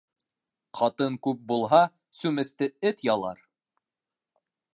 Ҡатын күп булһа, сүместе эт ялар.